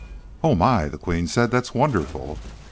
"Oh, my," the Queen said. "That's wonderful."